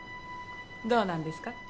どうなんですか？